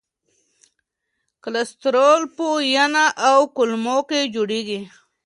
کلسترول په ینه او کولمو کې جوړېږي.